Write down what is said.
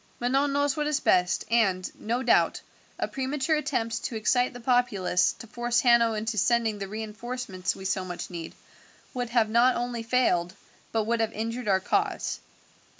"Manon knows what is best, and, no doubt, a premature attempt to excite the populace to force Hanno into sending the reinforcements we so much need would have not only failed, but would have injured our cause.